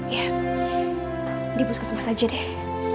ya di puskesmas aja deh